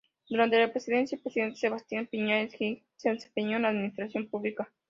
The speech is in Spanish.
Durante la presidencia del presidente Sebastián Piñera Echenique se desempeñó en la administración pública.